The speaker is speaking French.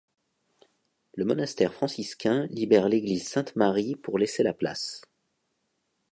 Le monastère franciscain libère l'église Sainte-Marie pour laisser la place.